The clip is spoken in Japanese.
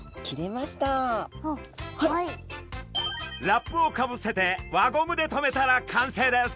ラップをかぶせて輪ゴムでとめたら完成です！